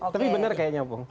tapi benar kayaknya opung